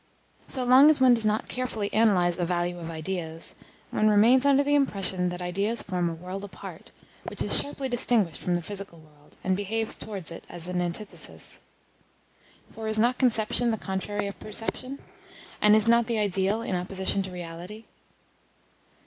So long as one does not carefully analyse the value of ideas, one remains under the impression that ideas form a world apart, which is sharply distinguished from the physical world, and behaves towards it as an antithesis. For is not conception the contrary of perception? and is not the ideal in opposition to reality?